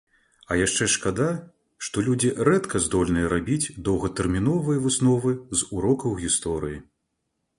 А яшчэ шкада, што людзі рэдка здольныя рабіць доўгатэрміновыя высновы з урокаў гісторыі.